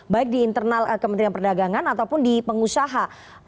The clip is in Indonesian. baik di internal kementerian perdagangan ataupun di pengusaha